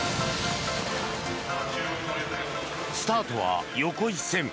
スタートは横一線。